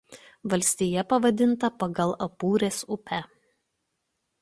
Valstija pavadinta pagal Apūrės upę.